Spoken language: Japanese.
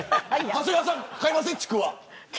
長谷川さん買いませんかちくわ。